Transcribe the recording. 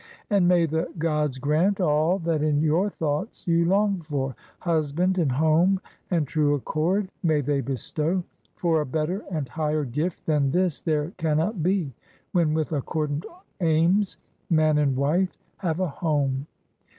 And may the gods grant all that in your thoughts you long for: hus band and home and true accord may they bestow ; for a better and higher gift than this there cannot be, when with accordant aims man and wife have a home.